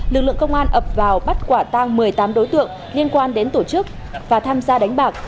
lực lượng công an ập vào bắt quả tang một mươi tám đối tượng liên quan đến tổ chức và tham gia đánh bạc